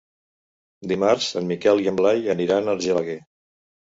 Dimarts en Miquel i en Blai aniran a Argelaguer.